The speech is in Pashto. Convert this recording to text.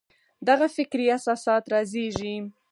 دغه فکري اساسات رازېږي.